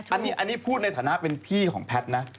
แอ่ถูกอันนี้พูดในฐานะเป็นพี่ของแพทนะ